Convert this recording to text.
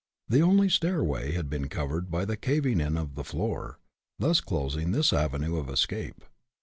The only stairway had been covered by the caving in of the floor, thus closing this avenue of escape.